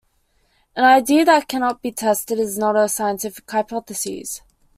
An idea that cannot be tested is not a scientific hypothesis.